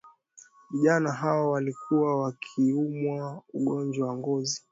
vijana hao walikuwa wakiumwa ugonjwa wa ngozi